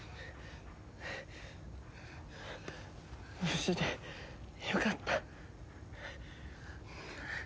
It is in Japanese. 無事でよかった。